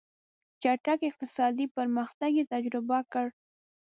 چټک اقتصادي پرمختګ یې تجربه کړ.